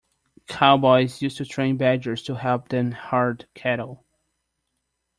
Cowboys used to train badgers to help them herd cattle.